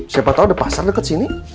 siapa tau ada pasar deket sini